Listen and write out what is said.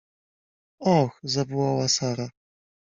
— Och! — zawołała Sara.